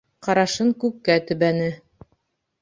Ҡарашын күккә төбәне.